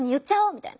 みたいに。